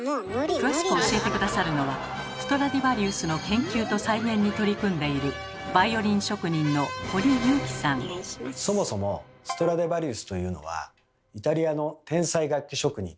詳しく教えて下さるのはストラディヴァリウスの研究と再現に取り組んでいるそもそもストラディヴァリウスというのはイタリアの天才楽器職人